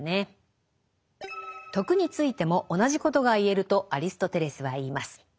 「徳」についても同じことが言えるとアリストテレスは言います。